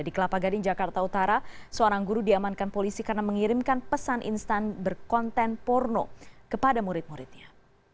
di kelapa gading jakarta utara seorang guru diamankan polisi karena mengirimkan pesan instan berkonten porno kepada murid muridnya